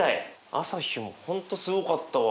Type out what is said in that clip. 朝日も本当すごかったわ。